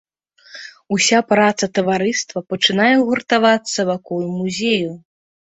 Уся праца таварыства пачынае гуртавацца вакол музею.